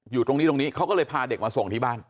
อยู่ตรงนี้ตรงนี้เขาก็เลยพาเด็กมาส่งที่บ้าน